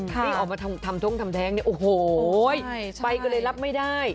แต่ที่ออกมาทำทรงเนี้ยโอ้โห้ยไปก็เลยรับไม่ได้